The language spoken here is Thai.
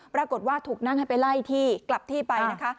ปรากฏว่าถูกนั่งให้ไปไล่ที่กลับที่ไปนะคะ